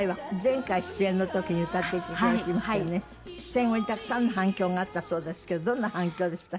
出演後にたくさんの反響があったそうですけどどんな反響でした？